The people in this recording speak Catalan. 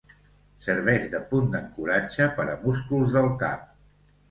Serveix de punt d'ancoratge per a músculs del cap.